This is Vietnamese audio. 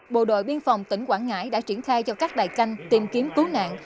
bộ đội biên phòng tỉnh quảng ngãi đã triển khai cho các đài canh tìm kiếm cứu nạn